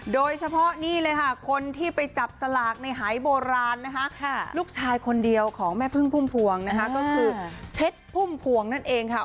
โดยเฉพาะนี่เลยค่ะคนที่ไปจับสลากในหายโบราณนะคะลูกชายคนเดียวของแม่พึ่งพุ่มพวงนะคะก็คือเพชรพุ่มพวงนั่นเองค่ะ